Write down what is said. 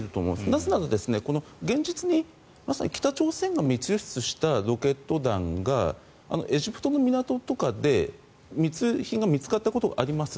なぜなら現実に北朝鮮が密輸出したロケット弾がエジプトの港とかで密輸品が見つかったことがあります。